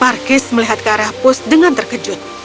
markis melihat ke arah pus dengan terkejut